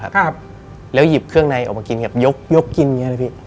ครับแล้วหยิบเครื่องในออกมากินครับยกยกกินอย่างเงี้เลยพี่